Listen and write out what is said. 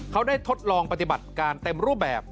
เขาได้ทดลองปฏิบัติการเต็มรูปแบบ